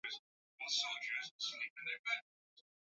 mmm inaendelea kule nchini uingereza